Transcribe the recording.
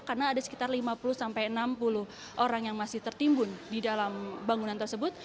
karena ada sekitar lima puluh enam puluh orang yang masih tertimbun di dalam bangunan tersebut